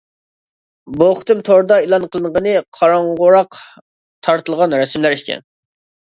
بۇ قېتىم توردا ئېلان قىلىنغىنى قاراڭغۇراق تارتىلغان رەسىملەر ئىكەن.